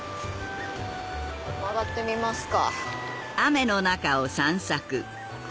曲がってみますか。